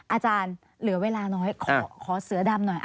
อาจารย์เหลือเวลาน้อยขอเสือดำหน่อย